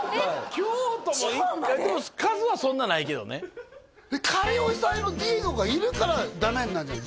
京都も行くかでも数はそんなないけどね仮押さえのディエゴがいるからダメになるんじゃない？